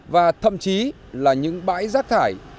và thậm chí là những bãi rác thải